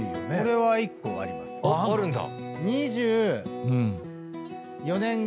あるんだ！